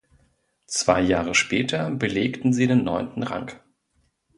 Zwei Jahre später belegten sie den neunten Rang.